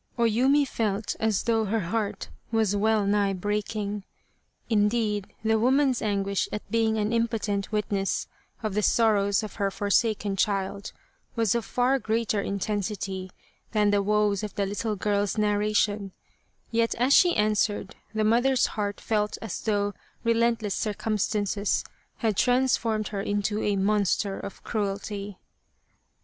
O Yumi felt as though her heart was well nigh break ing. Indeed, the woman's anguish at being an im potent witness of the sorrows of her forsaken child was of far greater intensity than the woes of the little girl's narration, yet as she answered, the mother's heart felt as though relentless circumstances had transformed her into a monster of cruelty